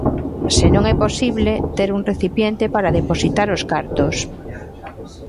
Se non é posible, ter un recipiente para depositar os cartos.